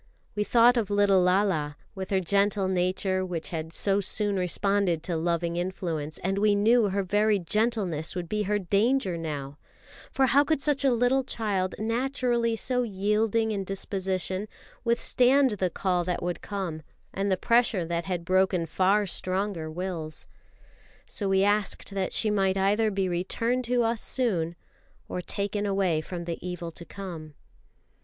We thought of little Lala, with her gentle nature which had so soon responded to loving influence, and we knew her very gentleness would be her danger now; for how could such a little child, naturally so yielding in disposition, withstand the call that would come, and the pressure that had broken far stronger wills? So we asked that she might either be returned to us soon or taken away from the evil to come.